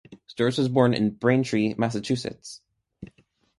Storrs was born in Braintree, Massachusetts.